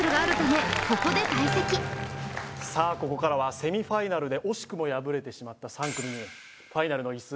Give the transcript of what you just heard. ここからはセミファイナルで惜しくも敗れてしまった３組にファイナルの椅子